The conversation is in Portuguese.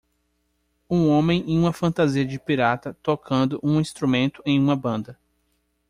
Um homem em uma fantasia de pirata tocando um instrumento em uma banda.